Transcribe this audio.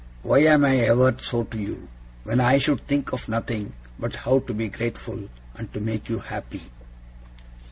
Why am I ever so to you, when I should think of nothing but how to be grateful, and to make you happy!